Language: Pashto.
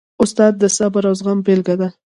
استاد د صبر او زغم بېلګه ده.